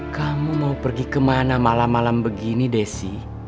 kamu mau pergi kemana malam malam begini desi